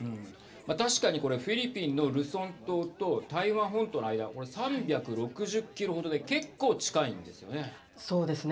確かにこれフィリピンのルソン島と台湾本島の間はこれ３６０キロ程でそうですね。